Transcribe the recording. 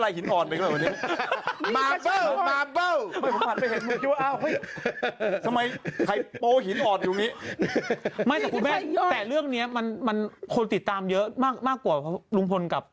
แล้วใช่กับมาตอนเบรกครับ